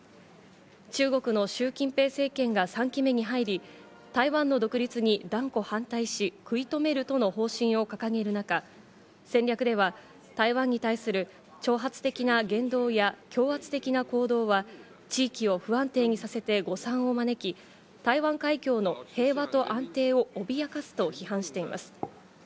中国のシュウ・キンペイ政権が３期目に入り、台湾の独立に断固反対し、食い止めるとの方針を掲げる中、戦略では台湾に対する挑発的な言動や、強圧的な行動は地域を不安定にさせて誤算を招き、台湾海峡の平和と安定を脅かすと批判しています。